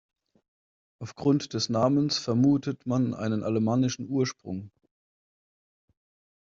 Aufgrund des Namens vermutet man einen alemannischen Ursprung.